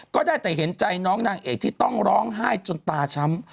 ก็ได้แต่เห็นใจน้องนางเอกที่ต้องร้องไห้จนตาช้ำ